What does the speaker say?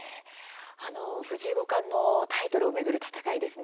藤井五冠のタイトルを巡る戦いですね